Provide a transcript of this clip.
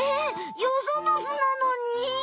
よその巣なのに？